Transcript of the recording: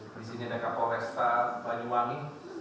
di sini ada kapolresta banyuwangi